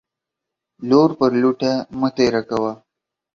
لور پر لوټه مه تيره کوه.